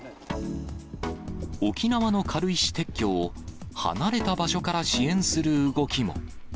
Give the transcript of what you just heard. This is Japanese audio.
沖縄の軽石撤去を、離れた場所から支援する動きも。